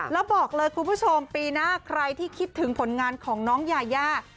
แล้วบอกเลยคุณผู้ชมปีหน้าใครที่คิดถึงผลงานของน้องยายา